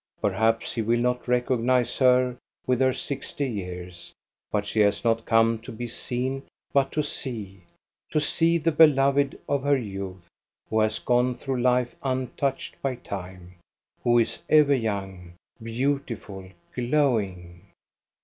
Perhaps he will not recognize her with her sixty years, but she has not come to be seen, but to see, to see the beloved of her youth, who has gone through life untouched by time, who is ever young, beautiful, glowing.